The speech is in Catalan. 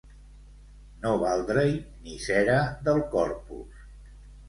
No valdre-hi ni cera del Corpus.